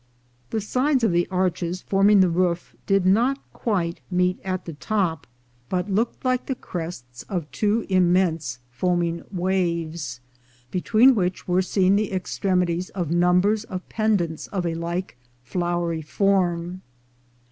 The sides of the arches forming the roof did not quite meet at the top, but looked like the crests of 340 THE GOLD HUNTERS two immense foaming waves, between which were seen the extremities of numbers of pendants of a like flowery form.